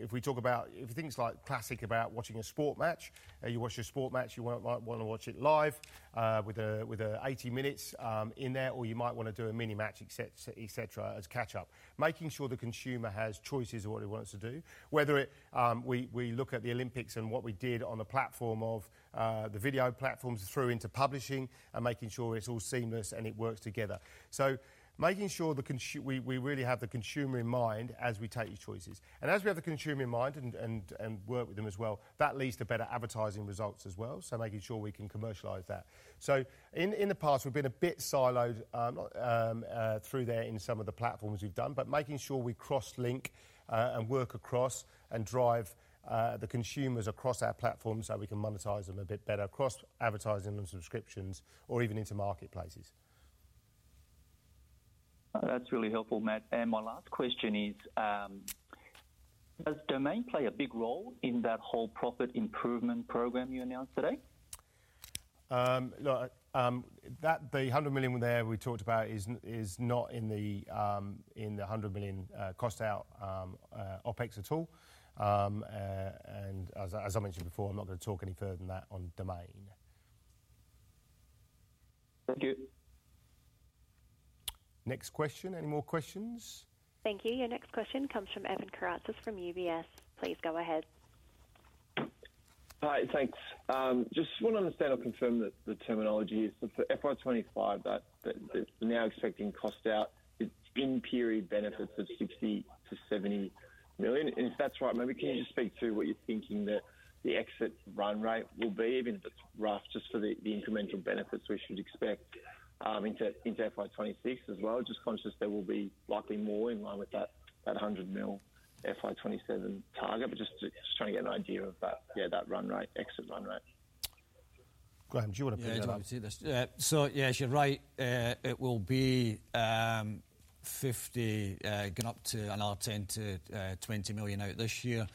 Speaker 2: If we talk about things like classic about watching a sport match, you watch a sport match, you might want to watch it live with 80 minutes in there, or you might want to do a mini match, etc., as catch-up. Making sure the consumer has choices of what he wants to do, whether we look at the Olympics and what we did on the platform of the video platforms through into publishing and making sure it's all seamless and it works together, so making sure we really have the consumer in mind as we take these choices, and as we have the consumer in mind and work with them as well, that leads to better advertising results as well, so making sure we can commercialize that, so in the past, we've been a bit siloed through there in some of the platforms we've done, but making sure we cross-link and work across and drive the consumers across our platform so we can monetize them a bit better across advertising and subscriptions or even into marketplaces.
Speaker 9: That's really helpful, Matt. My last question is, does Domain play a big role in that whole profit improvement program you announced today?
Speaker 2: The 100 million there we talked about is not in the 100 million cost out OpEx at all. And as I mentioned before, I'm not going to talk any further than that on Domain.
Speaker 9: Thank you.
Speaker 2: Next question. Any more questions?
Speaker 4: Thank you. Your next question comes from Evan Karatzas from UBS. Please go ahead.
Speaker 10: Hi, thanks. Just want to understand or confirm that the terminology is for FY25 that they're now expecting cost out in period benefits of 60 million-70 million. And if that's right, maybe can you just speak to what you're thinking that the exit run rate will be, even if it's rough, just for the incremental benefits we should expect into FY26 as well? Just conscious there will be likely more in line with that 100 million FY27 target, but just trying to get an idea of that, yeah, that run rate, exit run rate.
Speaker 2: Graeme, do you want to pick that up?
Speaker 3: Yeah, I do. So yeah, you're right. It will be 50 million. Up to another 10 million-20 million out this year.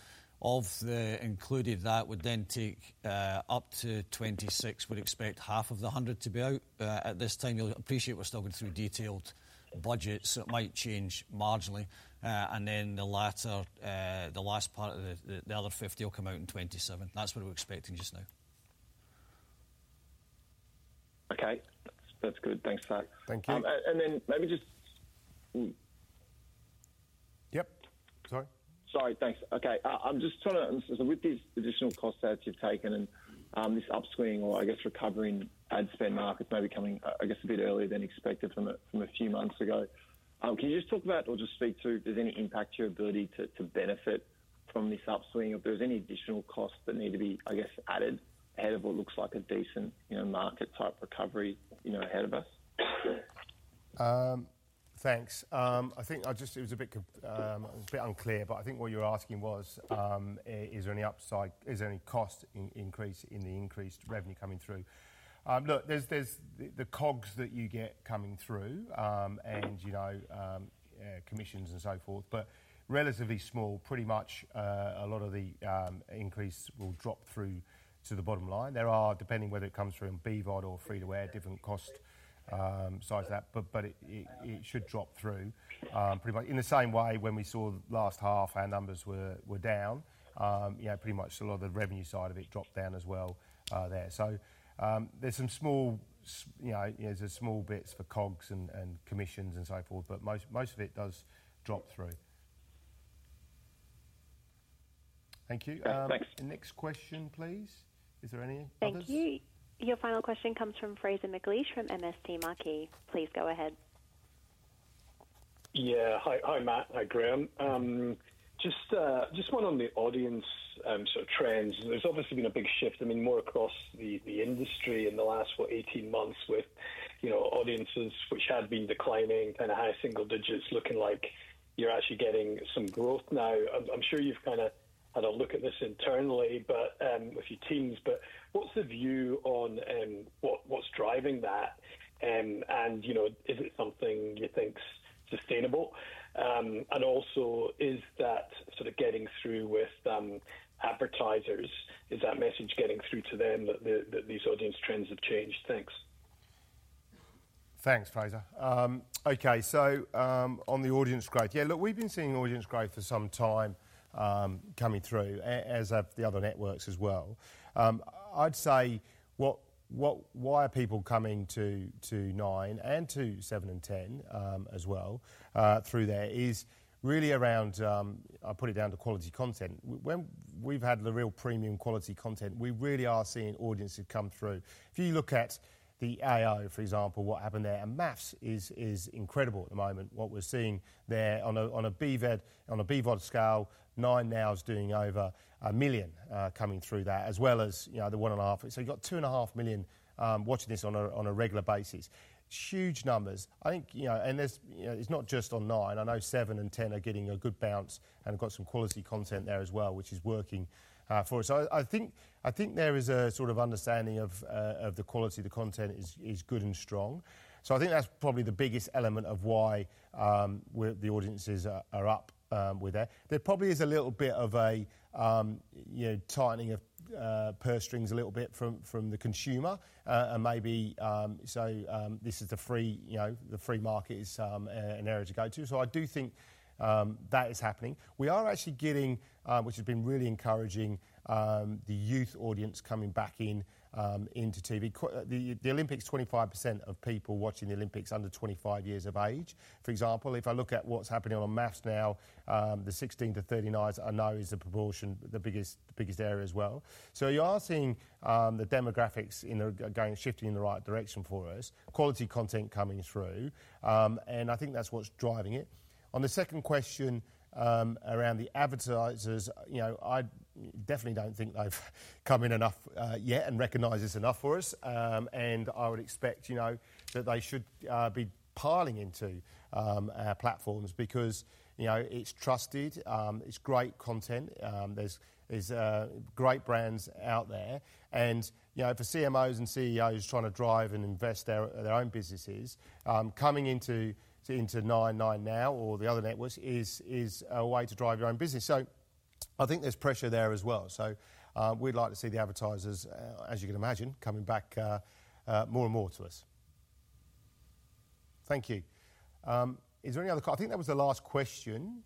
Speaker 3: Including that, we'd then take up to 26 million. We'd expect half of the 100 million to be out at this time. You'll appreciate we're still going through detailed budgets, so it might change marginally. And then the last part of the other 50 million will come out in FY27. That's what we're expecting just now.
Speaker 10: Okay. That's good. Thanks for that.
Speaker 3: Thank you.
Speaker 10: Thanks. Okay. I'm just trying to understand with these additional costs that you've taken and this upswing or, I guess, recovering ad spend markets maybe coming, I guess, a bit earlier than expected from a few months ago. Can you just talk about or just speak to, does any impact your ability to benefit from this upswing? If there's any additional costs that need to be, I guess, added ahead of what looks like a decent market-type recovery ahead of us?
Speaker 2: Thanks. I think it was a bit unclear, but I think what you were asking was, is there any cost increase in the increased revenue coming through? Look, there's the COGS that you get coming through and commissions and so forth, but relatively small. Pretty much a lot of the increase will drop through to the bottom line. There are, depending whether it comes from BVOD or free-to-air, different cost sides of that, but it should drop through pretty much in the same way when we saw last half our numbers were down. Pretty much a lot of the revenue side of it dropped down as well there. So there's small bits for COGS and commissions and so forth, but most of it does drop through. Thank you.
Speaker 10: Thanks.
Speaker 2: Next question, please. Is there any others?
Speaker 4: Thank you. Your final question comes from Fraser McLeish from MST Marquee. Please go ahead.
Speaker 11: Yeah. Hi, Matt. Hi, Graeme. Just one on the audience sort of trends. There's obviously been a big shift, I mean, more across the industry in the last, what, 18 months with audiences which had been declining, kind of high single digits, looking like you're actually getting some growth now. I'm sure you've kind of had a look at this internally with your teams, but what's the view on what's driving that? And is it something you think's sustainable? And also, is that sort of getting through with advertisers? Is that message getting through to them that these audience trends have changed? Thanks.
Speaker 2: Thanks, Fraser. Okay. So on the audience growth, yeah, look, we've been seeing audience growth for some time coming through as of the other networks as well. I'd say why are people coming to Nine and to Seven and Ten as well through there is really around, I'll put it down to quality content. When we've had the real premium quality content, we really are seeing audiences come through. If you look at the AO, for example, what happened there, and MAFS is incredible at the moment. What we're seeing there on a BVOD scale, 9Now is doing over a million coming through that, as well as the one and a half. So you've got two and a half million watching this on a regular basis. Huge numbers. I think, and it's not just on Nine. I know Seven and Ten are getting a good bounce and have got some quality content there as well, which is working for us. I think there is a sort of understanding of the quality of the content is good and strong. So I think that's probably the biggest element of why the audiences are up with that. There probably is a little bit of a tightening of purse strings a little bit from the consumer. And maybe so this is the free market is an area to go to. So I do think that is happening. We are actually getting, which has been really encouraging, the youth audience coming back into TV. The Olympics, 25% of people watching the Olympics under 25 years of age. For example, if I look at what's happening on 9Now, the 16 to 39s are now is the proportion, the biggest area as well. You are seeing the demographics shifting in the right direction for us. Quality content coming through. I think that's what's driving it. On the second question around the advertisers, I definitely don't think they've come in enough yet and recognized this enough for us. I would expect that they should be piling into our platforms because it's trusted, it's great content, there's great brands out there. And for CMOs and CEOs trying to drive and invest their own businesses, coming into Nine, 9Now, or the other networks is a way to drive your own business. So I think there's pressure there as well. So we'd like to see the advertisers, as you can imagine, coming back more and more to us. Thank you. Is there any other question? I think that was the last question.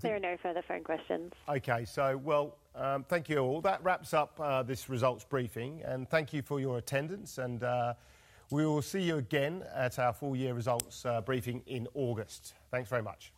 Speaker 4: There are no further phone questions.
Speaker 2: Okay. So, well, thank you all. That wraps up this results briefing. And thank you for your attendance. And we will see you again at our full year results briefing in August. Thanks very much.